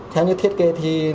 theo như thiết kế